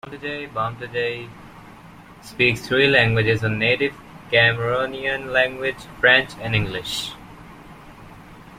Boumtje-Boumtje speaks three languages - a native Cameroonian language, French and English.